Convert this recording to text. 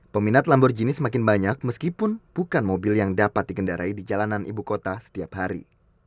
peminat lamborghini semakin banyak meskipun bukan mobil yang dapat dikendarai di jalanan ibu kota setiap hari